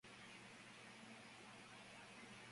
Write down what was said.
En su camino a casa, Pony se encuentra con Cherry y hablan.